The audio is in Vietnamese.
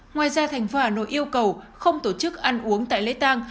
ngoài ra thành phố hà nội yêu cầu không tổ chức ăn uống tại lễ tàng